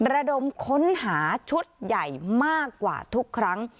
ระดมค้นหาชุดใหญ่มากกว่าทุกครั้ง